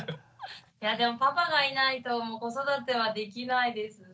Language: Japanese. いやでもパパがいないと子育てはできないです。